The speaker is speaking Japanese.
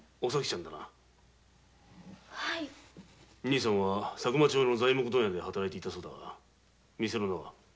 兄さんが佐久間町の材木問屋で働いていたそうだが店の名は？